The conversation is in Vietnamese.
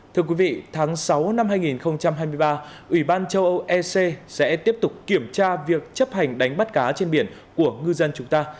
thưa quý vị tháng sáu năm hai nghìn hai mươi ba ủy ban châu âu ec sẽ tiếp tục kiểm tra việc chấp hành đánh bắt cá trên biển của ngư dân chúng ta